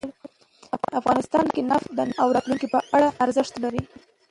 افغانستان کې نفت د نن او راتلونکي لپاره ارزښت لري.